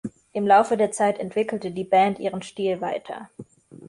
Im Laufe der Zeit entwickelte die Band ihren Stil weiter.